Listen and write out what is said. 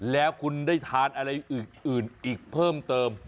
แล้วคุณได้ทานอะไรอื่นอีกเพิ่มเติม